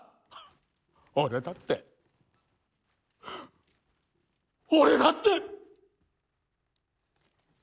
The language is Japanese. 俺だって俺だって！